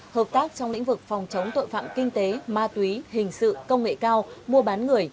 hợp tác trong lĩnh vực phòng chống tội phạm kinh tế ma túy hình sự công nghệ cao mua bán người